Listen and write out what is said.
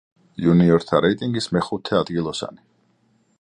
იუნიორთა რეიტინგის მეხუთე ადგილოსანი.